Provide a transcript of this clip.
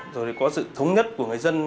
rồi thì có sự thống nhất của người dân